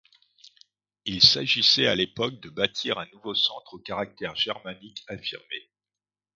Il s’agissait à l’époque de bâtir un nouveau centre au caractère germanique affirmé.